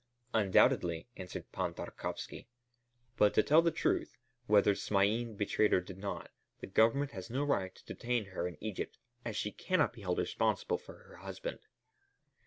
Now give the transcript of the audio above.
"Undoubtedly," answered Pan Tarkowski; "but to tell the truth, whether Smain betrayed or did not, the Government has no right to detain her in Egypt, as she cannot be held responsible for her husband."